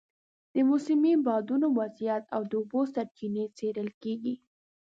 د موسمي بادونو وضعیت او د اوبو سرچینې څېړل کېږي.